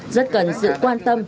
rất cần sự quan tâm